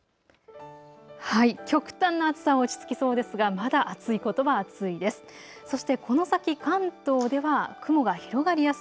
極端な暑さは落ち着きそうですがまだ暑いことは暑いです。